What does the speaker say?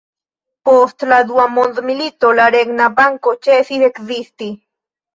Post la dua mondmilito la Regna Banko ĉesis ekzisti.